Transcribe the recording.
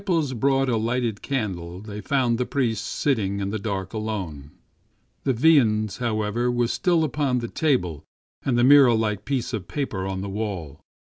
C 2 20 STRANGE STORIES brought a lighted candle they found the priest sitting in the dark alone. The viands, however, were still upon the table and the mirror like piece of paper on the wall.